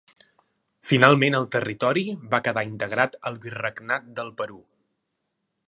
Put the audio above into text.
Finalment el territori va quedar integrat al Virregnat del Perú.